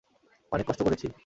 অনেক কষ্ট করেছি!